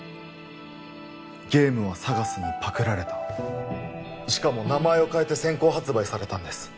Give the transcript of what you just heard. ゲームはＳＡＧＡＳにパクられたしかも名前を変えて先行発売されたんです